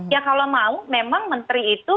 ya kalau mau memang menteri itu